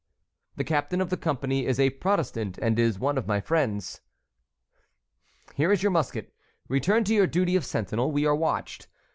"The captain of the company is a Protestant and is one of my friends." "Here is your musket; return to your duty of sentinel. We are watched.